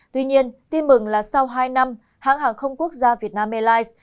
tuy nhiên tin mừng là sau hai năm hãng hàng không quốc gia vietnam airlines